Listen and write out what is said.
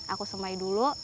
aku semai dulu